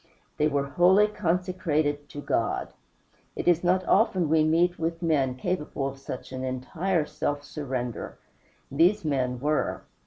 They were wholly consecrated to God. It is not often we meet with men capable of an entire self surrender; these men were.